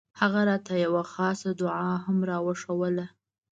هغه راته يوه خاصه دعايه هم راوښووله.